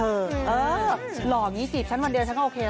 เออหล่องี้จีบฉันวันเดียวฉันก็โอเคแล้ว